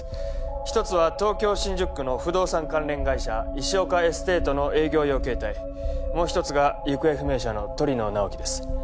一つは東京新宿区の不動産関連会社石岡エステートの営業用携帯もう一つが行方不明者の鳥野直木です